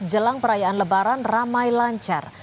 jelang perayaan lebaran ramai lancar